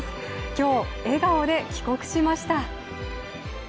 今日、笑顔で帰国しました。